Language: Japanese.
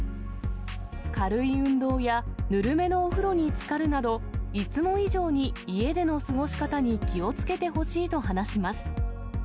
軽い運動やぬるめのお風呂につかるなど、いつも以上に家での過ごし方に気をつけてほしいと話します。